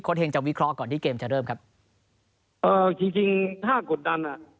เฮงจะวิเคราะห์ก่อนที่เกมจะเริ่มครับเอ่อจริงจริงถ้ากดดันอ่ะ